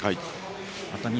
熱海